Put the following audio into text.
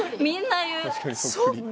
みんな言う。